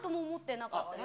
よかったです。